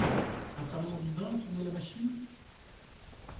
Un travailleur divin à tourner la machine ?